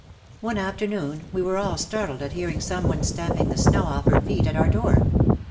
One afternoon we were all startled at hearing some one stamping the snow off her feet at our door.